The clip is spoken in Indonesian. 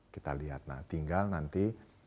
kita lihat nah tinggal nanti